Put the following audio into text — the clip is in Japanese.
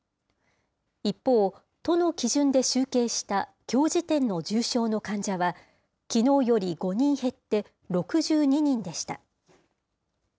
一方、都の基準で集計したきょう時点の重症の患者は、きのうより５人減って６２人でした。